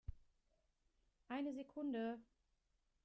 Eine Sekunde!